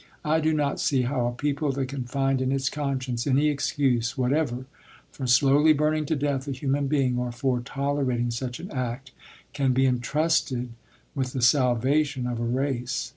I do not see how a people that can find in its conscience any excuse whatever for slowly burning to death a human being, or for tolerating such an act, can be entrusted with the salvation of a race.